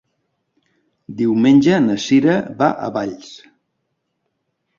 Diumenge na Cira va a Valls.